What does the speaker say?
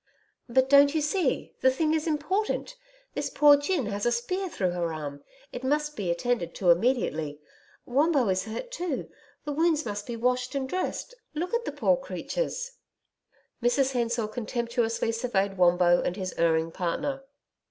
'But don't you see? The thing is important. This poor gin has a spear through her arm it must be attended to immediately. Wombo is hurt too. The wounds must be washed and dressed.... Look at the poor creatures.' Mrs Hensor contemptuously surveyed Wombo and his erring partner.